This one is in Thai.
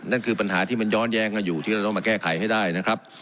นั่นคือปัญหาที่มันย้อนแย้งกันอยู่ที่เราต้องมาแก้ไขให้ได้นะครับ